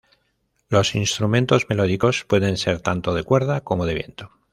Los instrumentos melódicos pueden ser tanto de cuerda como de viento.